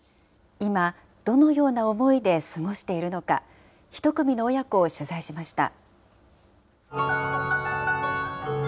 今、どのような思いで過ごしているのか、１組の親子を取材しました。